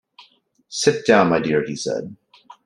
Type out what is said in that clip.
"Sit down, my dear," he said.